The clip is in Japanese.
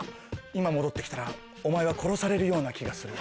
今戻って来たらお前は殺されるような気がする。